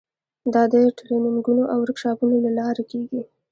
دا د ټریننګونو او ورکشاپونو له لارې کیږي.